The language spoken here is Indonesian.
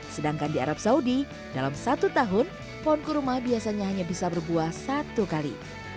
sedangkan di arab saudi dalam satu tahun pohon kurma biasanya hanya bisa berbuah satu kali